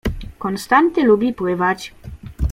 Konstanty lubi pływać.